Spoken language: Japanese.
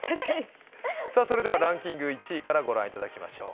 それではランキング１位からご覧いただきましょう。